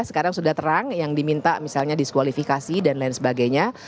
sekarang sudah terang yang diminta misalnya diskualifikasi dan lain sebagainya